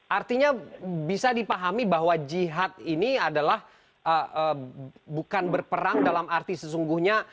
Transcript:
artinya bisa dipahami bahwa jihad ini adalah bukan berperang dalam arti sesungguhnya